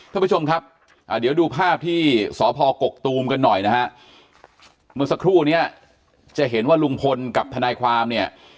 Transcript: ท่านผู้ชมครับอ่าเดี๋ยวดูภาพที่สพกกตูมกันหน่อยนะฮะเมื่อสักครู่เนี้ยจะเห็นว่าลุงพลกับทนายความเนี่ย